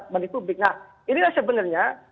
meni publik nah inilah sebenarnya